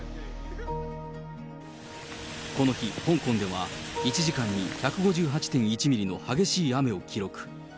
この日、香港では１時間に１５８．１ミリの激しい雨を記録。